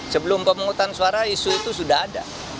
sebelum pemungutan suara isu itu sudah ada